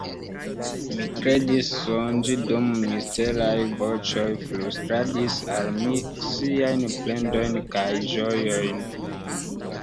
Mi kredis sonĝi, dum misteraj voĉoj flustradis al mi siajn plendojn kaj ĝojon.